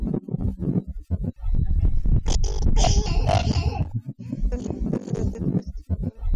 তারা তাদের কাজ ঠিকই করে যাচ্ছে, পক্ষান্তরে অসুবিধার সম্মুখীন হচ্ছে সাধারণ জনগণ।